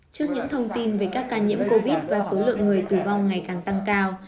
trước những thông tin về các ca nhiễm covid và số lượng người tử vong ngày càng tăng cao